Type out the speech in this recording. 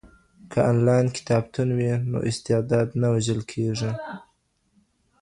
که انلاین کتابتون وي نو استعداد نه وژل کیږي.